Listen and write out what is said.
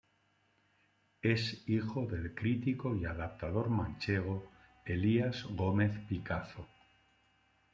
Es hijo del crítico y adaptador manchego Elías Gómez Picazo.